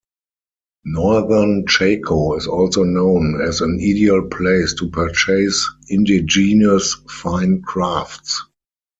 Northern Chaco is also known as an ideal place to purchase indigenous fine crafts.